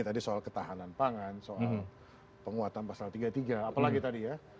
tadi soal ketahanan pangan soal penguatan pasal tiga puluh tiga apalagi tadi ya